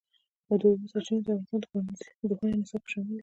د اوبو سرچینې د افغانستان د پوهنې نصاب کې شامل دي.